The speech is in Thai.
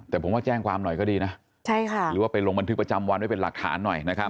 แต่ผมว่าแจ้งความหน่อยก็ดีนะหรือว่าไปลงบันทึกประจำวันไว้เป็นหลักฐานหน่อยนะครับ